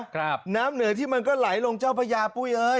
น้ำเหนือที่มันก็ไหลลงเจ้าพระยาปุ้ยเอ้ย